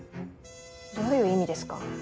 どういう意味ですか？